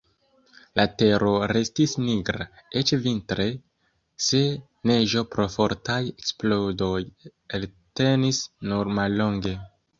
La tero restis nigra, eĉ vintre, se neĝo pro fortaj eksplodoj eltenis nur mallonge.